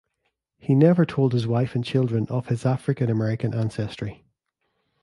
He never told his wife and children of his African American ancestry.